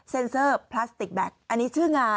เซอร์พลาสติกแบ็คอันนี้ชื่องา